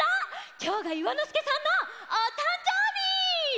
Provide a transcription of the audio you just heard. きょうがいわのすけさんのおたんじょうび！